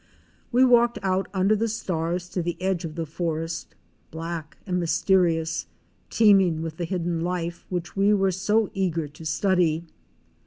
We walked out under the stars to the edge of the forest, black and mysterious, teeming with the hidden life, which we were so eager to study.